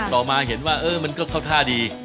ต่อมาเห็นว่าเออมันก็เข้าท่าดี